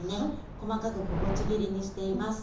細かく小口切りにしています。